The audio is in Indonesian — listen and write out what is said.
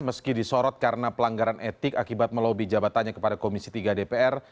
meski disorot karena pelanggaran etik akibat melobi jabatannya kepada komisi tiga dpr